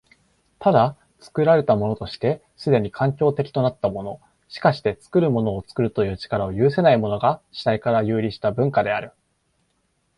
ただ、作られたものとして既に環境的となったもの、しかして作るものを作るという力を有せないものが、主体から遊離した文化である。